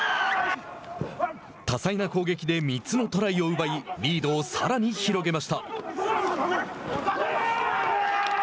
多彩な攻撃で３つのトライを奪いリードをさらに広げました。